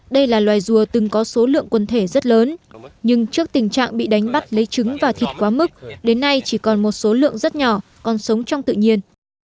đây là loài rùa từng có số lượng quần thể rất lớn nhưng trước tình trạng bị đánh bắt lấy trứng và thịt quá mức đến nay chỉ còn một số lượng rất nhỏ còn sống trong tự nhiên